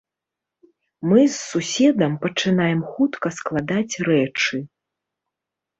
Мы з суседам пачынаем хутка складаць рэчы.